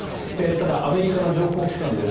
ただ、アメリカの情報機関です。